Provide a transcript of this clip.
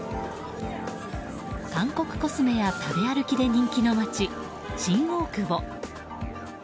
韓国コスメや食べ歩きで人気の街新大久保。